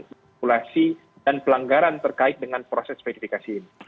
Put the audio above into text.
manipulasi dan pelanggaran terkait dengan proses verifikasi ini